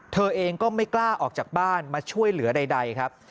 เธอเองก็ไม่กล้าออกจากบ้านมาช่วยเหลือใดครับ